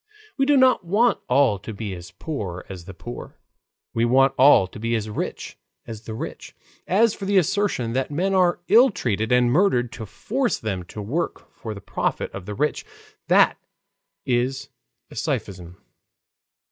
We do not want all to be as poor as the poor; we want all to be as rich as the rich. As for the assertion that men are ill treated and murdered to force them to work for the profit of the rich, that is a sophism.